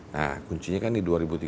nah kuncinya kan di dua ribu tiga belas